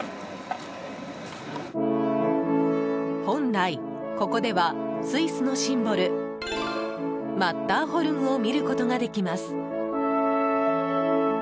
本来、ここではスイスのシンボルマッターホルンを見ることができます。